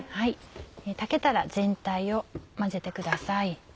炊けたら全体を混ぜてください。